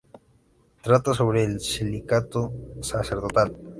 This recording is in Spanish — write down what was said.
Trata sobre el celibato sacerdotal.